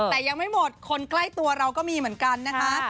แต่ยังไม่หมดคนใกล้ตัวเราก็มีเหมือนกันนะคะ